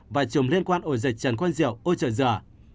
và trùng liên quan đến ổ dịch trần quân diệu ôi trời giở